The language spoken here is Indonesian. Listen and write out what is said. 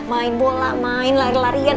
main bola main lari larian